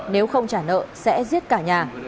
nếu không trả nợ sẽ giết cả nhà